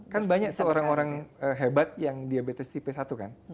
kan banyak seorang orang hebat yang diabetes tipe satu kan